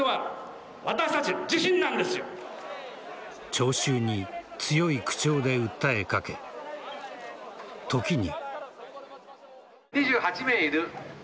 聴衆に強い口調で訴えかけ時に。